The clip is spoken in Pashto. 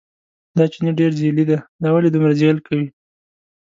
دا چیني ډېر ځېلی دی، دا ولې دومره ځېل کوي.